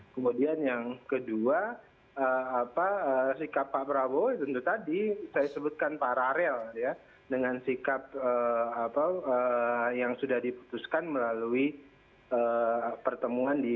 kemudian yang kedua sikap pak prabowo tentu tadi saya sebutkan paralel dengan sikap yang sudah diputuskan melalui pertemuan di